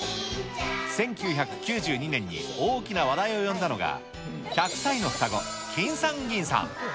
１９９２年に大きな話題を呼んだのが、１００歳の双子、きんさんぎんさん。